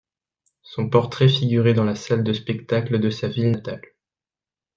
Son portrait figurait dans la salle de spectacle de sa ville natale.